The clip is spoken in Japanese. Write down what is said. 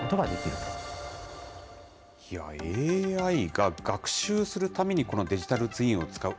ＡＩが学習するために、このデジタルツインを使う。